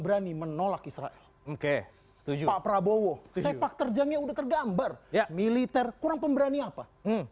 terakhir oke setuju prabowo sepak terjangnya udah tergambar ya militer kurang pemberani apa